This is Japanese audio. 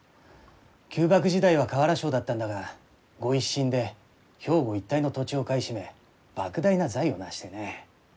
旧幕時代は瓦商だったんだが御一新で兵庫一帯の土地を買い占め莫大な財を成してね。